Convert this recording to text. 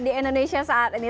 di indonesia saat ini